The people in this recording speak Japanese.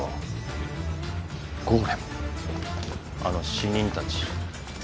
あの死人たち。